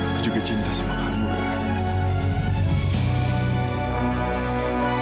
aku berjanji aku tidak akan menyakiti kamu lagi